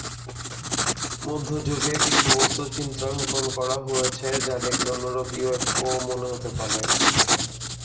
মধ্যযুগে কিছু বস্তু চিত্রাঙ্কন করা হয়েছে যা দেখলে অনুরূপ ইউএফও মনে হতে পারে।